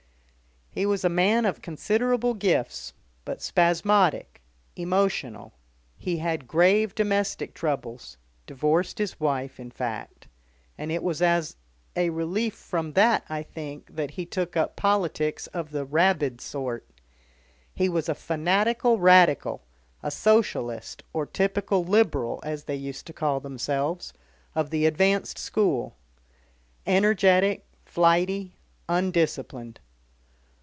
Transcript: "He was a man of considerable gifts, but spasmodic, emotional. He had grave domestic troubles, divorced his wife, in fact, and it was as a relief from that, I think, that he took up politics of the rabid sort. He was a fanatical Radical a Socialist or typical Liberal, as they used to call themselves, of the advanced school. Energetic flighty undisciplined.